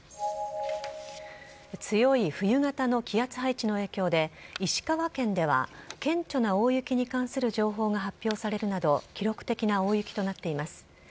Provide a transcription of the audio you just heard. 強い冬型の気圧配置の影響で、石川県では顕著な大雪に関する情報が発表されるなど、記録的な大雪となっています。